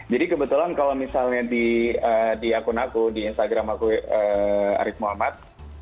jadi kebetulan kalau misalnya di akun aku di instagram aku arief muhammad